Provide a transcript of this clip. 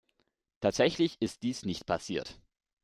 Tatsächlich ist dies nicht passiert.